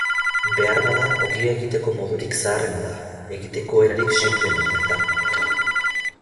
Beharbada, ogia egiteko modurik zaharrena da, egiteko erarik sinpleena baita.